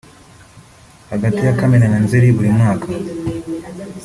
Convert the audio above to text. Hagati ya Kamena na Nzeli buri mwaka